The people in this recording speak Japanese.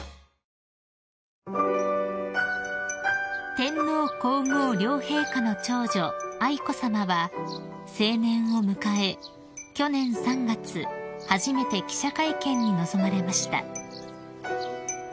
［天皇皇后両陛下の長女愛子さまは成年を迎え去年３月初めて記者会見に臨まれました］